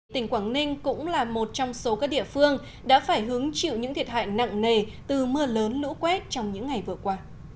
tỉnh quảng ninh cũng là một trong số các địa phương đã phải hứng chịu những thiệt hại nặng nề từ mưa lớn lũ quét trong những ngày vừa qua